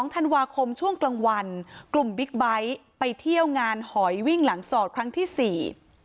ธันวาคมช่วงกลางวันกลุ่มบิ๊กไบท์ไปเที่ยวงานหอยวิ่งหลังสอดครั้งที่สี่